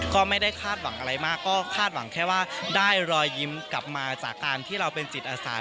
ก็ไม่ได้คาดหวังอะไรมากก็คาดหวังแค่ว่าได้รอยยิ้มกลับมาจากการที่เราเป็นจิตอาสา